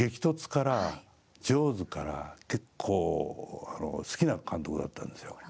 からジョーズから、結構好きな監督だったんですよ。